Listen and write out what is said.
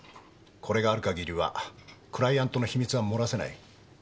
これがある限りはクライアントの秘密は漏らせない。